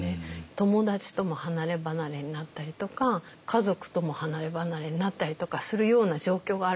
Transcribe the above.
友達とも離れ離れになったりとか家族とも離れ離れになったりとかするような状況があるわけですよね。